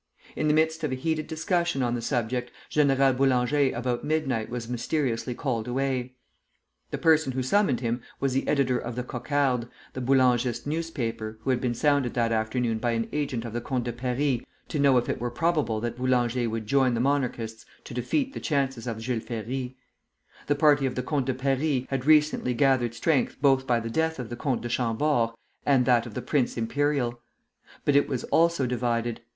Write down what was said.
In the midst of a heated discussion on the subject, General Boulanger about midnight was mysteriously called away. [Footnote 1: See "Les Coulisses du Boulangisme," published in "Figaro," and attributed to M. Mermieux.] The person who summoned him was the editor of the "Cocarde," the Boulangist newspaper, who had been sounded that afternoon by an agent of the Comte de Paris to know if it were probable that Boulanger would join the Monarchists to defeat the chances of Jules Ferry. The party of the Comte de Paris had recently gathered strength both by the death of the Comte de Chambord and that of the Prince Imperial. But it was also divided.